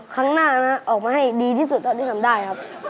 ครั้งหน้านะออกมาให้ดีที่สุดตอนที่ทำได้ครับ